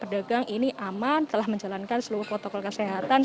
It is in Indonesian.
pedagang ini aman telah menjalankan seluruh protokol kesehatan